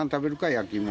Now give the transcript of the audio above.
焼き芋？